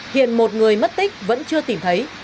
hiện một người mất tích vẫn chưa tìm thấy